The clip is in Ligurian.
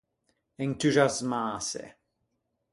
Entuxasmâse.